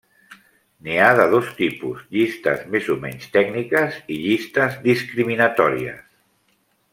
N'hi ha de dos tipus: llistes més o menys tècniques i llistes discriminatòries.